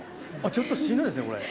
ちょっとしんどいですねこれ。